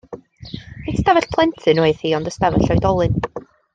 Nid stafell plentyn oedd hi ond stafell oedolyn.